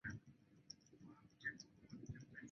他和失明的艾费多的交情更加坚定。